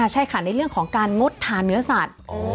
ใช่ค่ะในเรื่องของการงดทานเนื้อสัตว์